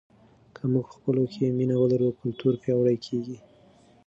که موږ په خپلو کې مینه ولرو کلتور پیاوړی کیږي.